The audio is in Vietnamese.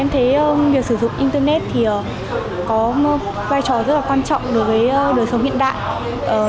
em thấy việc sử dụng internet có vai trò rất quan trọng đối với đời sống hiện đại